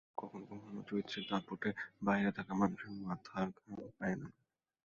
কখনো কখনো চৈত্রের দাপটে বাইরে থাকা মানুষের মাথার ঘাম পায়ে নামে।